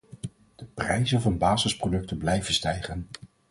De prijzen van basisproducten blijven stijgen.